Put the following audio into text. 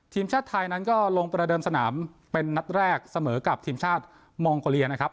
ทีมชาติไทยนั้นก็ลงประเดิมสนามเป็นนัดแรกเสมอกับทีมชาติมองโกเลียนะครับ